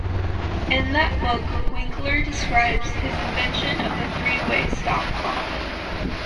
In that book Winkler describes his invention of the three-way stopcock.